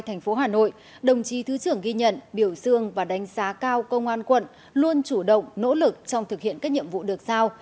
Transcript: thành phố hà nội đồng chí thứ trưởng ghi nhận biểu dương và đánh giá cao công an quận luôn chủ động nỗ lực trong thực hiện các nhiệm vụ được sao